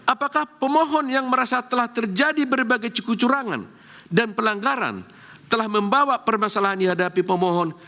apakah pemohon yang merasa telah terjadi berbagai cekucurangan dan pelanggaran telah membawa permasalahan dihadapi pemohon